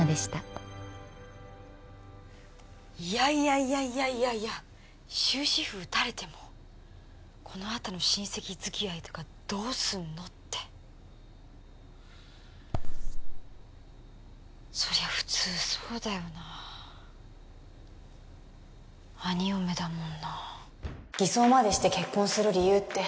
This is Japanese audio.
いやいやいやいや終止符打たれてもこのあとの親戚付き合いとかどうすんのってそりゃ普通そうだよな兄嫁だもんな偽装までして結婚する理由って